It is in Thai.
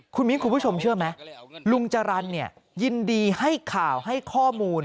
คุณมิ้นคุณผู้ชมเชื่อไหมลุงจรรย์ยินดีให้ข่าวให้ข้อมูล